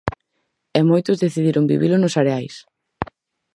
E moitos decidiron vivilo nos areais.